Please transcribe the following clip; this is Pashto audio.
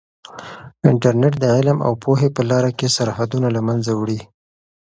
انټرنیټ د علم او پوهې په لاره کې سرحدونه له منځه وړي.